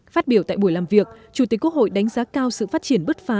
phát biểu tại buổi làm việc chủ tịch quốc hội đánh giá cao sự phát triển bất phá